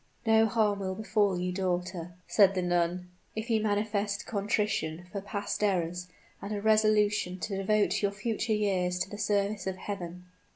"No harm will befall you, daughter," said the nun, "if you manifest contrition for past errors and a resolution to devote your future years to the service of Heaven."